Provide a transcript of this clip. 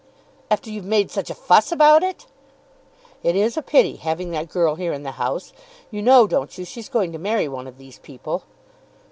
"After you've made such a fuss about it!" "It is a pity, having that girl here in the house. You know, don't you, she's going to marry one of these people?"